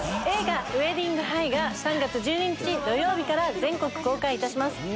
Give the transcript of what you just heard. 映画『ウェディング・ハイ』が３月１２日土曜日から全国公開いたします。